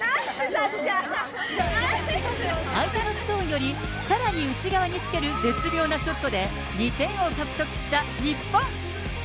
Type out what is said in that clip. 相手のストーンより、さらに内側につける絶妙なショットで、２点を獲得した日本。